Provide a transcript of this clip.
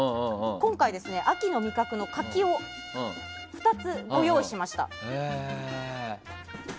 今回、秋の味覚の柿を２つご用意しました。